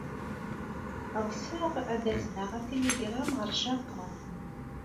Ɣseɣ ad azneɣ atiligṛam ɣer Japun.